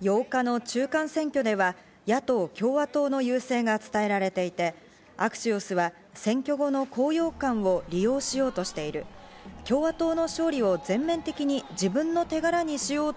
８日の中間選挙では野党・共和党の優勢が伝えられていて、アクシオスは選挙後の高揚感を利用しようとしている、共和党の勝利を全面的に自分の手柄にしよ